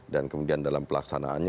dan kemudian dalam pelaksanaannya